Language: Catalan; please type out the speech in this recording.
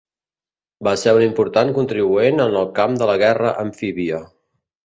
Va ser un important contribuent en el camp de la guerra amfíbia.